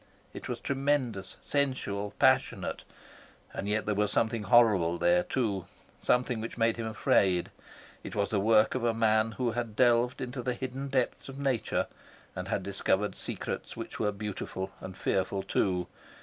It was tremendous, sensual, passionate; and yet there was something horrible there, too, something which made him afraid. It was the work of a man who had delved into the hidden depths of nature and had discovered secrets which were beautiful and fearful too.